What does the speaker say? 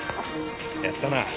やったな。